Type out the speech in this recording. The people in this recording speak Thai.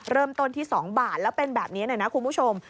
เริ่มต้นที่๒บาทแล้วเป็นแบบนี้หน่อยนะคุณผู้ชม